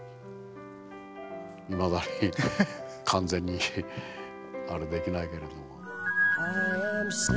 いまだに完全にできないけれども。